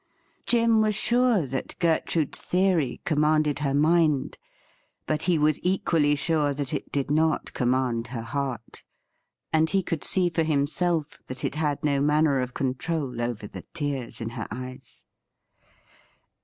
Jim was sure that Gertrude's theory commanded her mind, but he was equally sure that it did not command her heart, and he could see for himself that it had no manner of control over the tears in her eyes.